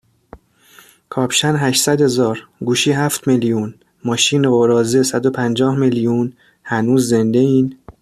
کاپشن هشتصد هزار گوشی هفت میلیون ماشین غراضه صدو پنجاه میلیون ؟هنوز زنده این؟